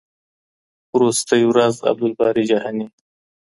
وروستۍ ورځ عبدالباري جهاني